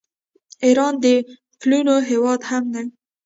ایران د پلونو هیواد هم دی.